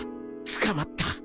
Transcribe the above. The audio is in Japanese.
捕まった